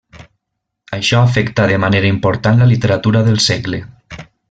Això afectà de manera important la literatura del segle.